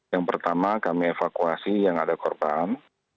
yang pertama kami evakuasi yang ada korban